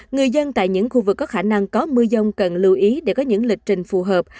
người dân tại những khu vực có khả năng có mưa dông cần lưu ý để có những lịch trình phù hợp